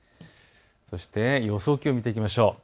そして予想気温見ていきましょう。